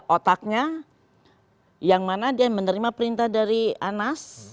otaknya yang mana dia menerima perintah dari anas